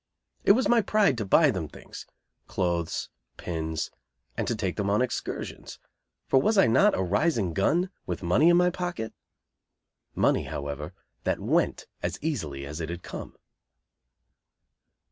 It was my pride to buy them things clothes, pins, and to take them on excursions; for was I not a rising "gun," with money in my pocket? Money, however, that went as easily as it had come.